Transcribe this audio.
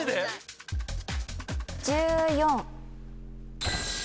１４。